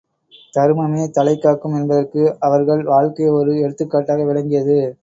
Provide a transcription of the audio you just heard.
தருமமே தலை காக்கும் என்பதற்கு அவர்கள் வாழ்க்கை ஒரு எடுத்துக்காட்டாக விளங்கியது.